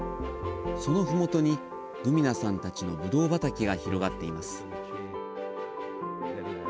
そのふもとにグミナさんたちのぶどう畑が広がっています。